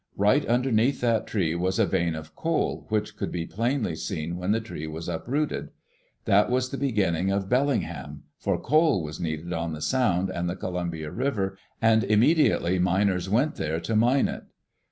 Right underneath that tree was a vein of coal which could be plainly seen when the tree was uprooted. That was the beginning of Bellingham, for coal was needed on the Sound and the Columbia River, and immediately miners went there to mine it.